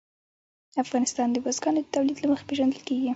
افغانستان د بزګانو د تولید له مخې پېژندل کېږي.